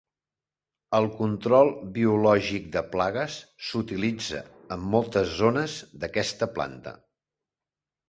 El control biològic de plagues s'utilitza en moltes zones d'aquesta planta.